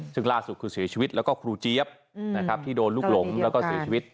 ซึ่งล่าสุดคือเสียชีวิตแล้วก็ครูเจี๊ยบนะครับที่โดนลูกหลงแล้วก็เสียชีวิต